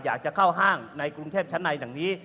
อยากจะเข้าห้างในกรุงเทพชั้นในดังนี้